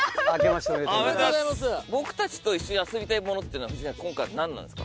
僕たちと一緒に遊びたいものって今回何なんですか？